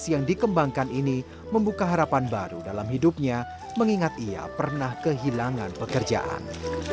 yang dikembangkan ini membuka harapan baru dalam hidupnya mengingat ia pernah kehilangan pekerjaan